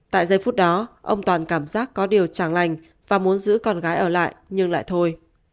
tại giây phút đó ông toàn cảm giác có điều tràng lành và muốn giữ con gái ở lại nhưng lại thôi